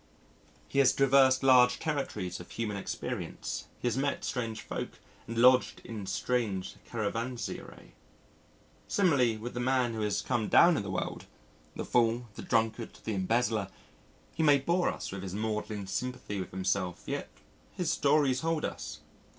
He has traversed large territories of human experience, he has met strange folk and lodged in strange caravanserai. Similarly with the man who has come down in the world the fool, the drunkard, the embezzler he may bore us with his maudlin sympathy with himself yet his stories hold us.